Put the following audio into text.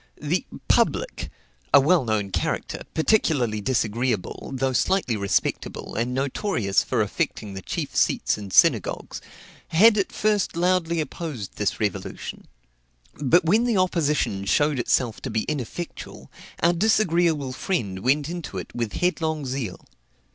The "public," a well known character, particularly disagreeable, though slightly respectable, and notorious for affecting the chief seats in synagogues, had at first loudly opposed this revolution; but when the opposition showed itself to be ineffectual, our disagreeable friend went into it with headlong zeal.